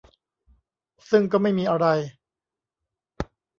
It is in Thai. ซึ่งก็ไม่มีอะไร